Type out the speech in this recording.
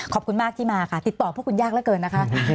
ขอบคุณมากที่มาค่ะติดต่อพวกคุณยากเหลือเกินนะคะ